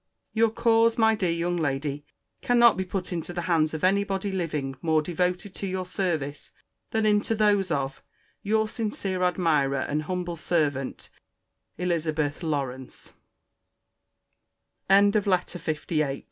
Your cause, my dear young lady, cannot be put into the hands of any body living more devoted to your service, than into those of Your sincere admirer, and humble servant, ELIZ. LAWRANCE. LETTER LIX MISS CLARISSA HARLOWE, TO MRS.